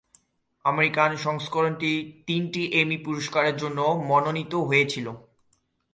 American সংস্করণটি তিনটি Emmy পুরস্কারের জন্য মনোনীত হয়েছিল।